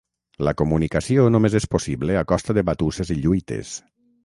La comunicació només és possible a costa de batusses i lluites.